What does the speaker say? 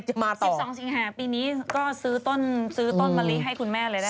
๑๒สิงหาปีนี้ก็ซื้อต้นซื้อต้นมะลิให้คุณแม่เลยนะคะ